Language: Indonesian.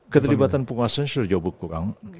keterlibatan penguasa sudah jauh kang